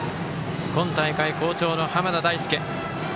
今大会、好調の濱田大輔。